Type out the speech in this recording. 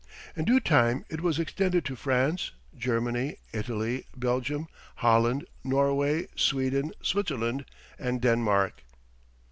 In due time it was extended to France, Germany, Italy, Belgium, Holland, Norway, Sweden, Switzerland, and Denmark.